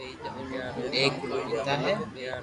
ايڪ رو پيتا ھي